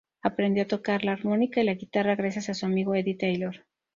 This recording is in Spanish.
Aprendió a tocar la armónica y la guitarra gracias a su amigo Eddie Taylor.